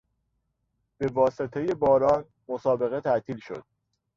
به واسطهی باران، مسابقه تعطیل شد.